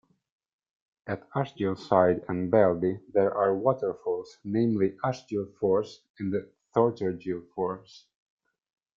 At Ashgillside and Beldy there are waterfalls namely Ashgill Force and Thortergill Force.